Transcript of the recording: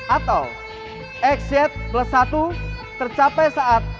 atau xet plus satu tercapai saat